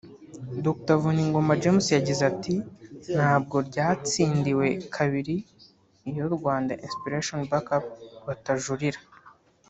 Dr Vuningoma James yagize ati ”Ntabwo ryatsindiwe kabiri iyo Rwanda Inspiration Back Up batajurira